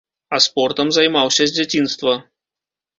А спортам займаўся з дзяцінства.